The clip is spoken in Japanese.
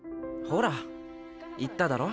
ほら言っただろ。